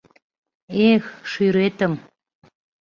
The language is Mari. Эх, шӱретым